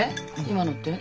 今のって？